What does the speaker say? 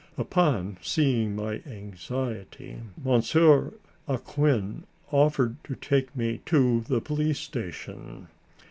Upon seeing my anxiety, Monsieur Acquin offered to take me to the police station.